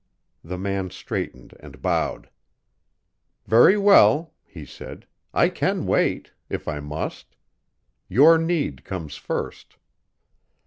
The man straightened and bowed. "Very well," he said, "I can wait if I must. Your need comes first."